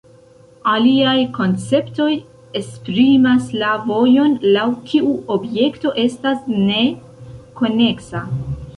Aliaj konceptoj esprimas la vojon laŭ kiu objekto estas "ne" koneksa.